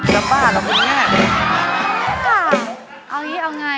น้ำป้ารกังิงง่าย